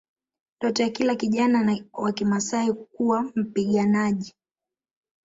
Ndoto ya kila kijana wa Kimaasai kuwa mpiganaji